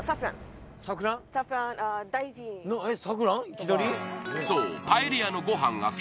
いきなり？